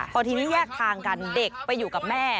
พอทีนี้แยกทางกันเด็กไปอยู่กับแม่